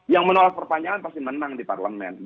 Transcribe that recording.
yang menolak perpanjangan pasti menang di parlemen